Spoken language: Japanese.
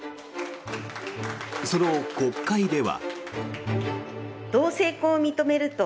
その国会では。